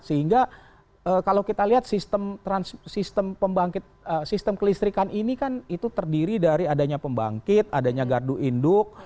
sehingga kalau kita lihat sistem kelistrikan ini kan itu terdiri dari adanya pembangkit adanya gardu induk